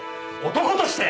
男として。